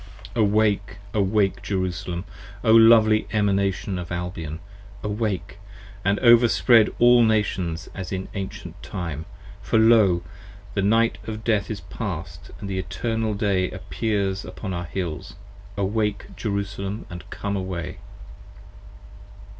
p. 97 AWAKE, Awake, Jerusalem! O lovely Emanation of Albion, Awake, and overspread all Nations as in Ancient Time. For lo! the Night of Death is past and the Eternal Day Appears upon our Hills: Awake, Jerusalem, and come away!